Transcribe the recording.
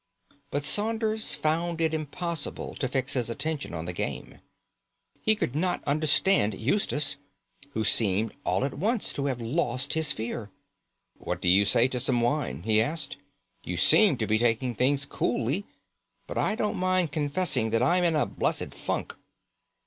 But Saunders found it impossible to fix his attention on the game. He could not understand Eustace, who seemed all at once to have lost his fear. "What do you say to some wine?" he asked. "You seem to be taking things coolly, but I don't mind confessing that I'm in a blessed funk."